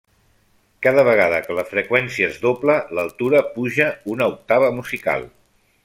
Cada vegada que la freqüència es dobla, l'altura puja una octava musical.